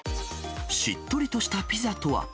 しっとりとしたピザとは。